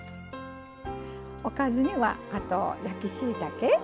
おかずにはあと焼きしいたけ